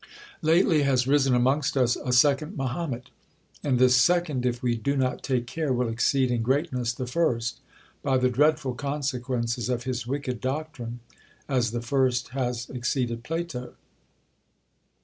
"Lately has risen amongst us a second Mahomet: and this second, if we do not take care, will exceed in greatness the first, by the dreadful consequences of his wicked doctrine, as the first has exceeded Plato.